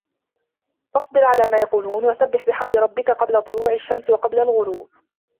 فَاصبِر عَلى ما يَقولونَ وَسَبِّح بِحَمدِ رَبِّكَ قَبلَ طُلوعِ الشَّمسِ وَقَبلَ الغُروبِ